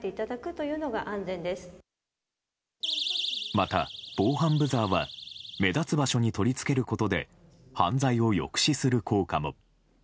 また、防犯ブザーは目立つ場所に取り付けることで犯罪を抑止する効果も。